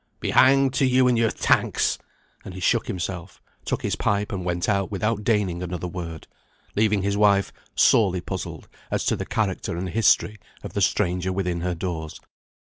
"Be hanged to you and your thanks." And he shook himself, took his pipe, and went out without deigning another word; leaving his wife sorely puzzled as to the character and history of the stranger within her doors.